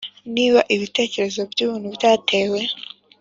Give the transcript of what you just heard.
niba ibitekerezo byubuntu byatewe,